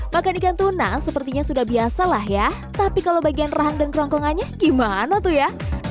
makan ikan tuna sepertinya sudah biasa lah ya tapi kalau bagian rahan dan kerongkongannya gimana tuh ya